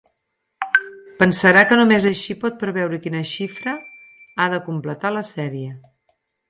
Pensarà que només així pot preveure quina xifra ha de completar la sèrie.